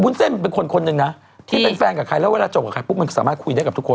เส้นเป็นคนคนหนึ่งนะที่เป็นแฟนกับใครแล้วเวลาจบกับใครปุ๊บมันสามารถคุยได้กับทุกคน